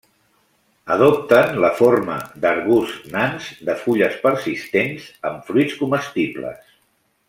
Adopten la forma d'arbusts nans de fulles persistents amb fruits comestibles.